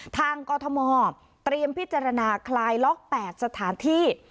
กรทมเตรียมพิจารณาคลายล็อก๘สถานที่